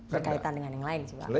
berkaitan dengan yang lain juga